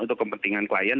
untuk kepentingan klien